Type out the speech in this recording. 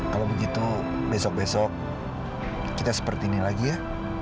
kalau begitu besok besok kita seperti ini lagi ya